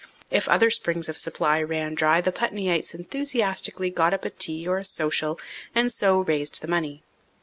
If other springs of supply ran dry the Putneyites enthusiastically got up a "tea" or a "social," and so raised the money.